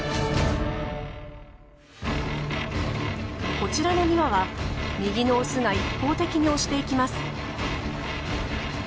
こちらの２羽は右のオスが一方的に押していきます。